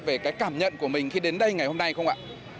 về cái cảm nhận của mình khi đến đây ngày hôm nay không ạ